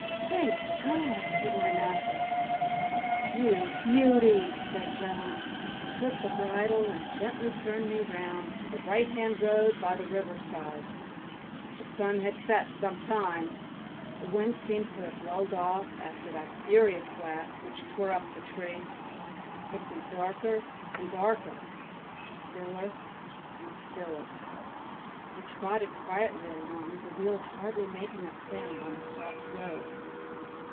"Thank God!" said my master. "You Beauty!" said John, and took the bridle and gently turned me round to the right hand road by the river side. The sun had set some time; the wind seemed to have lulled off after that furious blast which tore up the tree. It grew darker and darker, stiller and stiller. I trotted quietly along, the wheels hardly making a sound on the soft road.